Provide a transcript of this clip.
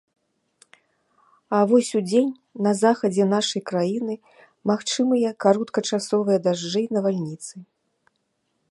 А вось удзень на захадзе нашай краіны магчымыя кароткачасовыя дажджы і навальніцы.